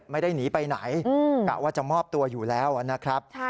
ไม่ได้หนีไปไหนกะว่าจะมอบตัวอยู่แล้วนะครับ